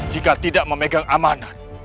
jika tidak memegang amanat